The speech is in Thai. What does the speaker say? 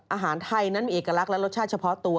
อาหารไทยนั้นมีเอกลักษณ์และรสชาติเฉพาะตัว